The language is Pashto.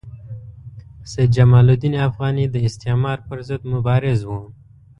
سید جمال الدین افغاني د استعمار پر ضد مبارز وو.